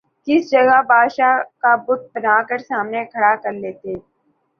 کسی جگہ بادشاہ کا بت بنا کر سامنے کھڑا کرلیتے